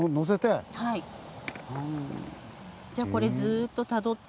じゃこれずっとたどって。